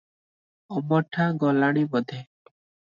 ଅମଠା ଗଲାଣି ବୋଧେ ।